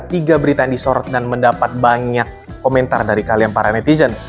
tiga berita yang disorot dan mendapat banyak komentar dari kalian para netizen